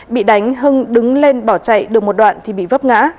bị đánh hưng đứng lên bỏ chạy được một đoạn thì bị vấp ngã